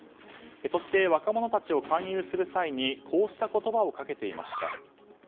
そして、若者たちを勧誘する際にこうした言葉をかけていました。